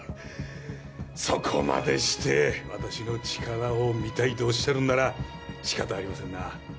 そこまでして私の力を見たいとおっしゃるんならしかたありませんな